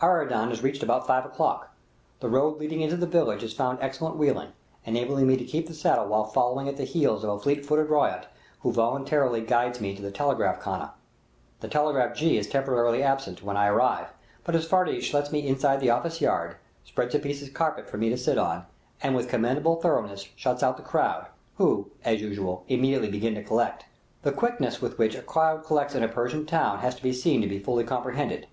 Aradan is reached about five o'clock; the road leading into the village is found excellent wheeling, enabling me to keep the saddle while following at the heels of a fleet footed ryot, who voluntarily guides me to the telegraph khana. The telegraph jee is temporarily absent when I arrive, but his farrash lets me inside the office yard, spreads a piece of carpet for me to sit on, and with commendable thoughtfulness shuts out the crowd, who, as usual, immediately begin to collect. The quickness with which a crowd collects in a Persian town has to be seen to be fully comprehended.